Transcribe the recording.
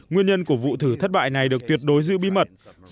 nguyên nhân của vụ thử thất bại này được tuyệt đối giữ bí mật